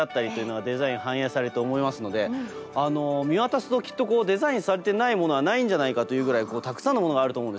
見渡すときっとデザインされてないものはないんじゃないかというぐらいたくさんのものがあると思うんですよね。